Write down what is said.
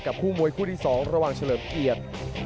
กับคู่มวยคู่ที่๒ระหว่างเฉลิมเอียด